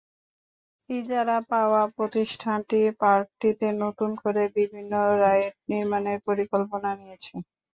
ইজারা পাওয়া প্রতিষ্ঠানটি পার্কটিতে নতুন করে বিভিন্ন রাইড নির্মাণের পরিকল্পনা নিয়েছে।